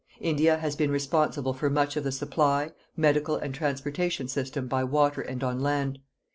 India has been responsible for much of the supply, medical and transportation system by water and on land.